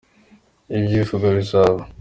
Ibyuvuga bizaba.